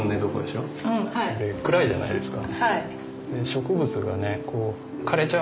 すごいじゃないですか。